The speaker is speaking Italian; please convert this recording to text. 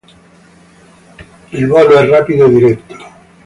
Il volo è rapido e diretto.